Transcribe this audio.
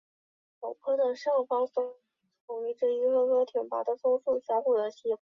异叶虎耳草为虎耳草科虎耳草属下的一个种。